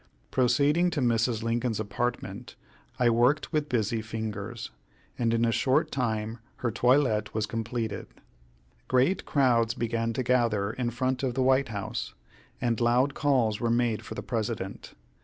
Proceeding to Mrs. Lincoln's apartment, I worked with busy fingers, and in a short time her toilette was completed. Great crowds began to gather in front of the White House, and loud calls were made for the President.